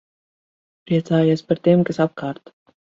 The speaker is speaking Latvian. Priecājies par tiem, kas apkārt.